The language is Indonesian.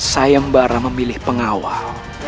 sayembar memilih pengawal